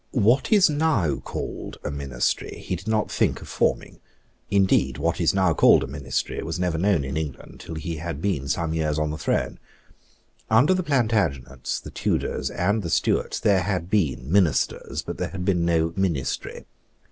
What is now called a ministry he did not think of forming. Indeed what is now called a ministry was never known in England till he had been some years on the throne. Under the Plantagenets, the Tudors, and the Stuarts, there had been ministers; but there had been no ministry.